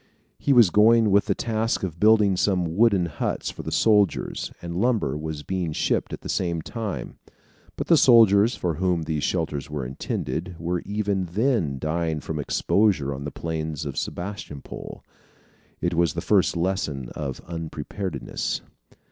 He was going with the task of building some wooden huts for the soldiers, and lumber was being shipped at the same time. But the soldiers for whom these shelters were intended were even then dying from exposure on the plains of Sebastopol. It was the first lesson of unpreparedness.